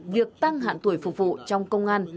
việc tăng hạn tuổi phục vụ trong công an